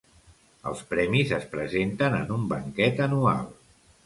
Els premis es presenten en un banquet anual.